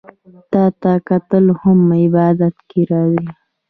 تاته کتل هم عبادت کی راځي